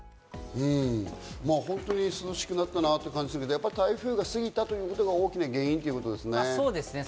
本当に涼しくなったなと感じるんですけど、台風が過ぎたということが大きな原因ということですね。